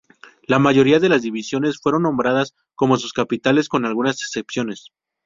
La mayoría de las divisiones fueron nombradas como sus capitales, con algunas excepciones.